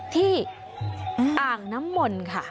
อ่างน้ำมนต์ค่ะ